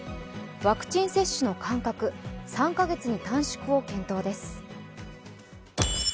ワクチン接種の間隔３か月に短縮を検討です。